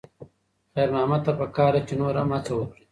خیر محمد ته پکار ده چې نور هم هڅه وکړي.